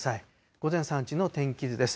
午前３時の天気図です。